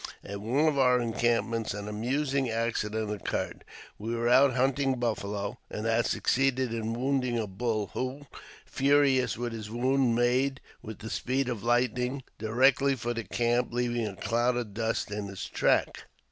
At one of our encampments an amusing accident occurred. We were out hunting buffalo, and had succeeded in wounding a bull, who, furious with his wound, made, with the speed of lightning, directly for the camp, leaving a cloud of dust in his track.